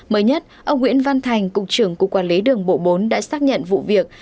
mới nhất ông nguyễn văn thành cục trưởng cục quản lý đường bộ bốn đã xác nhận vụ việc